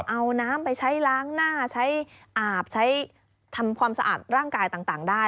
เอาน้ำไปใช้ล้างหน้าใช้อาบใช้ทำความสะอาดร่างกายต่างได้